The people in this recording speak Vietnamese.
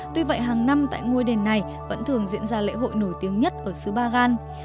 tuy vậy hàng năm tại ngôi đền này vẫn thường diễn ra lễ hội nổi tiếng nhất ở xứ ba gan